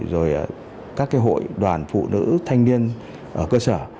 rồi các hội đoàn phụ nữ thanh niên ở cơ sở